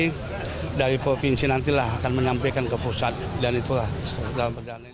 nanti dari provinsi nantilah akan menyampaikan ke pusat dan itulah dalam perjalanan ini